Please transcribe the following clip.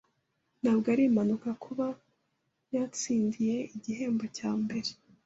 Ntabwo ari impanuka kuba yatsindiye igihembo cya mbere.